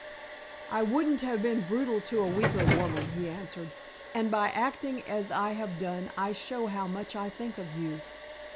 "I wouldn't have been brutal to a weaker woman," he answered. "And by acting as I have done, I show how much I think of you."